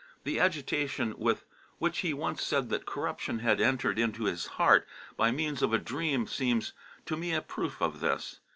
The agitation with which he once said that corruption had entered into his heart by means of a dream seems to me a proof of this.